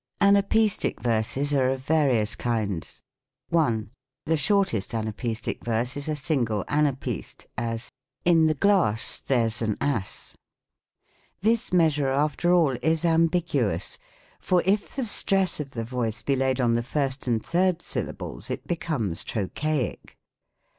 Anapaestic verses are of various kinds. 1. The shortest anapaestic verse is a single anapaest : as, " In the glass There's an ass." This measure, after all, is ambiguous ; for if the stress of the voice be laid on the first and third sylla. bles, it becomes trochaic.